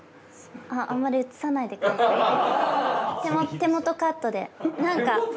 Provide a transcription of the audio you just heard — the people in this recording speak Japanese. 手元カットでなんか。